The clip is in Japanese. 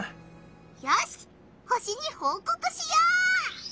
よし星にほうこくしよう！